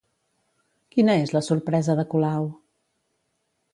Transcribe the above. Quina és la sorpresa de Colau?